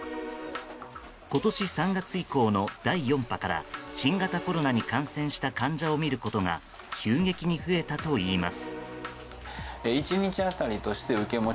今年３月以降の第４波から新型コロナに感染した患者を診ることが急激に増えたといいます。